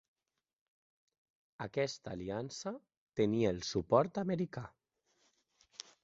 Aquesta aliança tenia el suport americà.